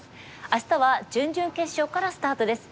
明日は準々決勝からスタートです。